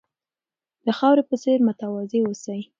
د خاورې په څېر متواضع اوسئ.